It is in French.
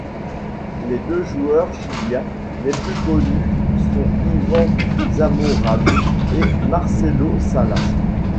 Les deux joueurs chiliens les plus connus sont Iván Zamorano et Marcelo Salas.